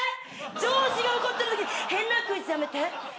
上司が怒ってるときで変なクイズやめて。